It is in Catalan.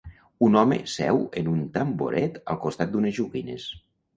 Un home seu en un tamboret al costat d'unes joguines.